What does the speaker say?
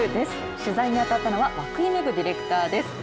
取材に当たったのは、涌井恵ディレクターです。